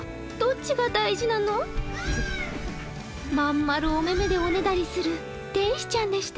まん丸おめめでおねだりする天使ちゃんでした。